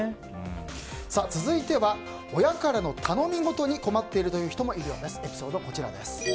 続いては親からの頼み事に困っているという人もいるようです。